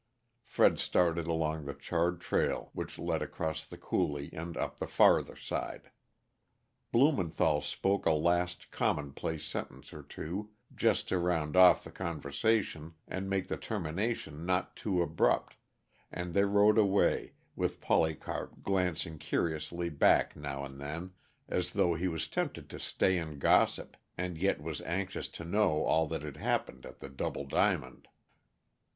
Fred started along the charred trail which led across the coulee and up the farther side. Blumenthall spoke a last, commonplace sentence or two, just to round off the conversation and make the termination not too abrupt, and they rode away, with Polycarp glancing curiously back, now and then, as though he was tempted to stay and gossip, and yet was anxious to know all that had happened at the Double Diamond.